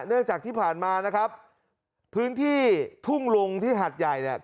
เนื่องจากที่ผ่านมานะครับพื้นที่ทุ่งลุงที่หัดใหญ่เนี่ย